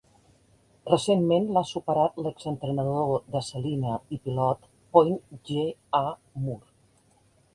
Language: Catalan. Recentment l'ha superat l'ex-entrenador de Celina i Pilot Point G. A. Moore.